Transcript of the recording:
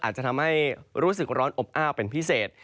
อาจจะทำให้รู้สึกร้อนอบอ้าวเป็นพิเศษ